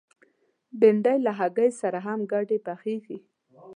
بېنډۍ له هګۍ سره هم ګډ پخېږي